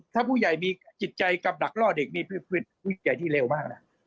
ถ้าผู้ใหญ่มีจิตใจกับดักล่อเด็กนี่คือผู้ใหญ่ที่เร็วมากนะ